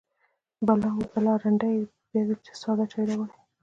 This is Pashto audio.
_بلا! وه بلا! ړنده يې! بيا دې ساده چای راوړی.